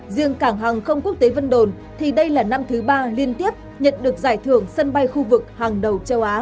riêng cảng hàng không quốc tế vân đồn thì đây là năm thứ ba liên tiếp nhận được giải thưởng sân bay khu vực hàng đầu châu á